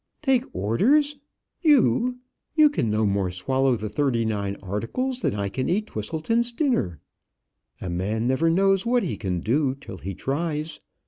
"Take orders! You! You can no more swallow the thirty nine articles than I can eat Twisleton's dinner." "A man never knows what he can do till he tries.